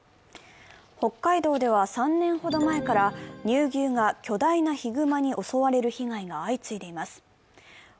北海道では３年ほど前から乳牛が巨大なヒグマに襲われる被害が相次いでいます。